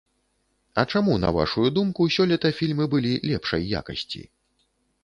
А чаму, на вашую думку, сёлета фільмы былі лепшай якасці?